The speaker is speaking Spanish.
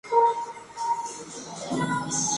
Algunas especies vivieron en las aguas dulces.